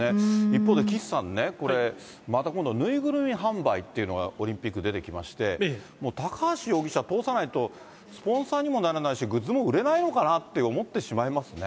一方で、岸さんね、これ、また今度、縫いぐるみ販売っていうのがオリンピック、出てきまして、もう高橋容疑者通さないと、スポンサーにもなれないし、グッズも売れないのかなと思ってしまいますね。